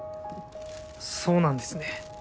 そうなんですね。